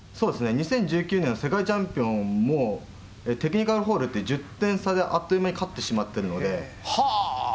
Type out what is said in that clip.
２０１９年の世界チャンピオンも、テクニカルフォールで１０点さであっという間に勝ってしまってるはぁー。